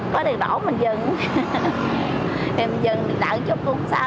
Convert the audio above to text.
có đợt đổ mình dừng thì mình dừng để đợi chút cũng xa